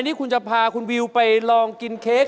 นี่คุณจะพามายีว์ไปลองกินเค้ก